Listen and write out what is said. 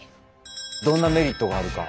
どんなメリットがあるか。